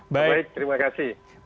baik terima kasih